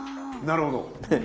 なるほど。